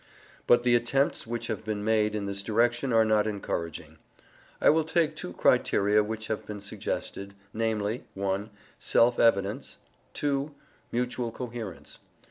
But the attempts which have been made in this direction are not encouraging. I will take two criteria which have been suggested, namely, (1) self evidence, (2) mutual coherence.